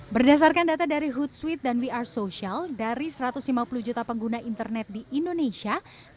berdasarkan data dari hootsuite dan we are social dari satu ratus lima puluh juta pengguna internet di indonesia